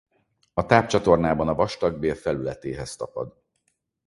A tápcsatornában a vastagbél felületéhez tapad.